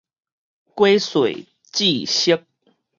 瓜細子熟